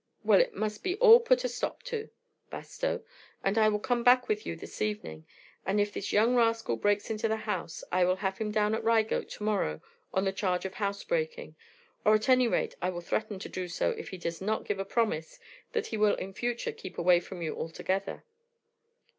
"Well, it must be all put a stop to, Bastow; and I will come back with you this evening, and if this young rascal breaks into the house I will have him down at Reigate tomorrow on the charge of house breaking; or, at any rate, I will threaten to do so if he does not give a promise that he will in future keep away from you altogether."